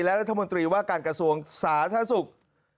และรัฐมนตรีว่าการกระทรวงศาสถรรศุกร์